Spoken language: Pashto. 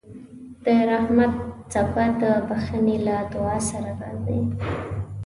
د رحمت څپه د بښنې له دعا سره راځي.